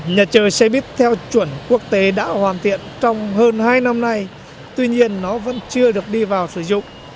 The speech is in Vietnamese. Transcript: nhà chờ xe buýt theo chuẩn quốc tế đã hoàn thiện trong hơn hai năm nay tuy nhiên nó vẫn chưa được đi vào sử dụng